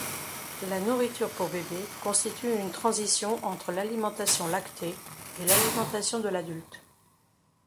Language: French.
La nourriture pour bébé constitue une transition entre l'alimentation lactée et l'alimentation de l'adulte.